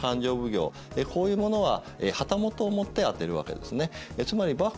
こういうものは旗本をもって充てるわけですね。